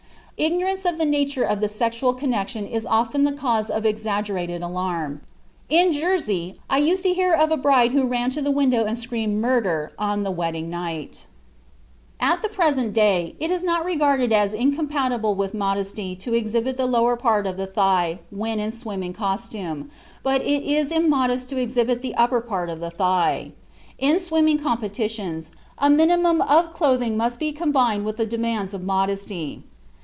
Ignorance of the nature of the sexual connection is often the cause of exaggerated alarm. In Jersey, I used to hear of a bride who ran to the window and screamed 'murder,' on the wedding night." (Private communication.) At the present day it is not regarded as incompatible with modesty to exhibit the lower part of the thigh when in swimming costume, but it is immodest to exhibit the upper part of the thigh. In swimming competitions, a minimum of clothing must be combined with the demands of modesty.